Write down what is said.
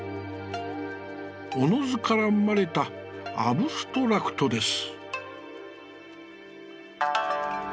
自ら生まれた、アブストラクトです」。